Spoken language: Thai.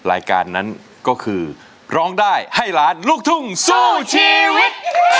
รายการนั้นก็คือร้องได้ให้ล้านลูกทุ่งสู้ชีวิต